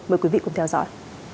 mời quý vị cùng theo dõi